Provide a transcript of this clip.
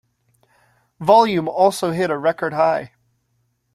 Volume also hit a record high.